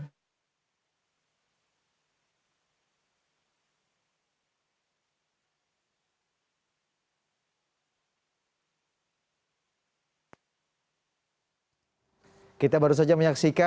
dan penanda tanganan berita acara penyerahan salinan putusan